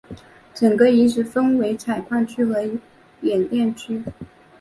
整个遗址分为采矿区和冶炼区。